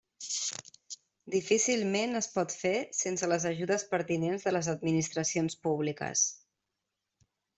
Difícilment es pot fer sense les ajudes pertinents de les administracions públiques.